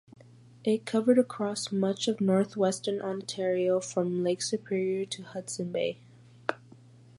It covered across much of northwestern Ontario from Lake Superior to Hudson Bay.